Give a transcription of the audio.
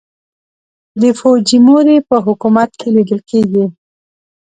د فوجیموري په حکومت کې لیدل کېږي.